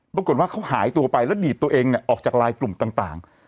ปรากฏว่าเขาหายตัวไปแล้วดีดตัวเองออกจากไลน์กลุ่มต่าง